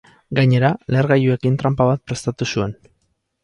Gainera, lehergailuekin tranpa bat prestatu zuen.